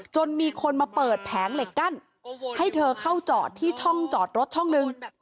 จนมีคนมาเปิดแผงเหล็กกั้นให้เธอเข้าจอดที่ช่องจอดรถช่องหนึ่ง